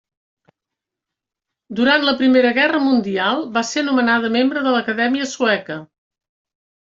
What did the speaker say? Durant la Primera Guerra mundial, va ser nomenada membre de l'Acadèmia Sueca.